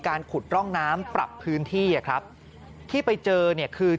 การขุดร่องน้ำปรับพื้นที่ที่ไปเจอเนี่ยคือ